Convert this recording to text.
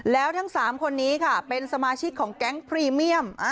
แล้วทั้ง๓คนนี้ค่ะเป็นสมาชิกของแก๊งพรีเมียม